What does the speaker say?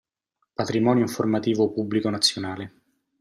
Patrimonio informativo pubblico nazionale.